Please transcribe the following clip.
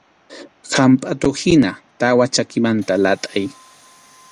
Hampʼatuhina tawa chakimanta latʼay.